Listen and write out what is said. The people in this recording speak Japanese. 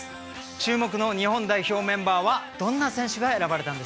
注目の日本代表メンバーはどんな選手が選ばれたんでしょうか？